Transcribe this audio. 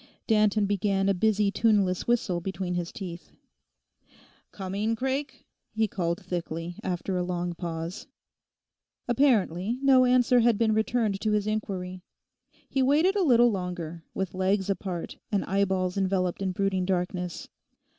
Danton began a busy tuneless whistle between his teeth. 'Coming, Craik?' he called thickly, after a long pause. Apparently no answer had been returned to his inquiry: he waited a little longer, with legs apart, and eyeballs enveloped in brooding darkness.